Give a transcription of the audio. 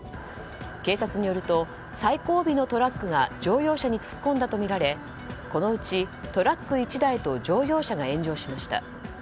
警察によると最後尾のトラックが乗用車に突っ込んだとみられこのうちトラック１台と乗用車が炎上しました。